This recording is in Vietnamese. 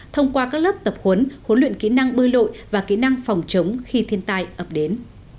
thông qua các lớp tập huấn huấn luyện kỹ năng bơi lội và kỹ năng phòng chống khi thiên tai ập đến